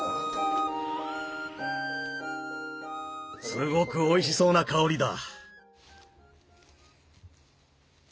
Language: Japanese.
すごくおいしそうな香りだ！